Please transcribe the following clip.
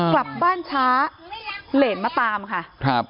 กลับบ้านช้าเหรนมาตามค่ะครับ